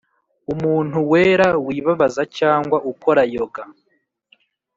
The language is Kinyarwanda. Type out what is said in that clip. umuntu wera; wibabaza cyangwa ukora yoga